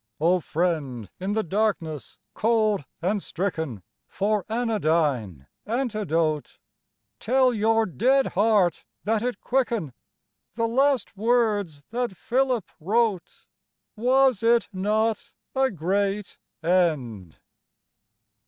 O friend In the darkness, cold and stricken, For anodyne, antidote, Tell your dead heart, that it quicken, The last words that Philip wrote :" Was it not a great end